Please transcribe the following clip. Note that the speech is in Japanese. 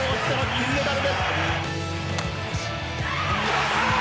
金メダル！